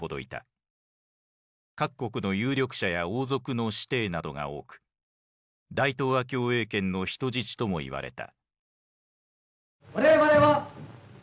各国の有力者や王族の子弟などが多く大東亜共栄圏の人質ともいわれた。